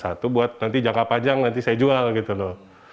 satu buat nanti jangka panjang nanti saya jual gitu loh